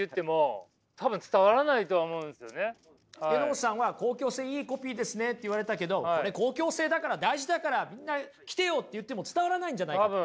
榎本さんは公共性いいコピーですねって言われたけど「これ公共性だから大事だからみんな来てよ！」って言っても伝わらないんじゃないかと？